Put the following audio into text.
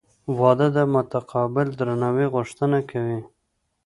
• واده د متقابل درناوي غوښتنه کوي.